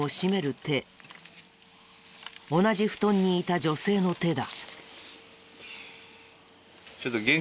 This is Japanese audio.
同じ布団にいた女性の手だ。